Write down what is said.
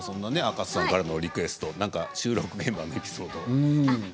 赤楚さんからのリクエスト収録現場のエピソードは。